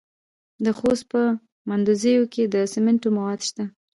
د خوست په مندوزیو کې د سمنټو مواد شته.